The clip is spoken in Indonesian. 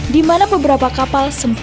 di mana beberapa kapal sempat bergerak